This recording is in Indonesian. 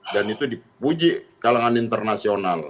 dan itu dipuji kalangan internasional